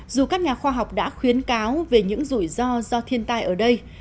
dù các nhà khoa học đã khuyến cáo về những rủi ro do thiên tai ở đây